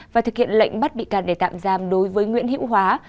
và thực hiện lệnh bắt bị can để tạm giam đối với nguyễn hữu hóa